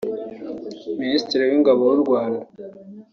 Minisitiri w’Ingabo w’u Rwanda